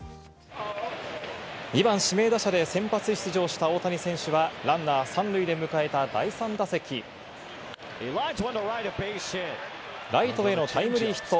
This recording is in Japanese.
２番・指名打者で先発出場した大谷選手はランナー３塁で迎えた第３打席、ライトへのタイムリーヒット。